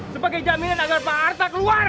sebagai jaminan agar pak harta keluar